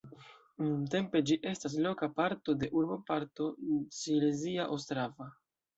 Nuntempe ĝi estas loka parto de urboparto Silezia Ostrava.